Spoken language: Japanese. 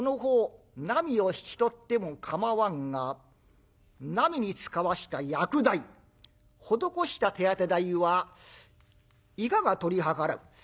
なみを引き取っても構わんがなみに使わした薬代施した手当て代はいかが取り計らう？」。